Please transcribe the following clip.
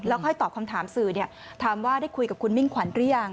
ค่อยตอบคำถามสื่อถามว่าได้คุยกับคุณมิ่งขวัญหรือยัง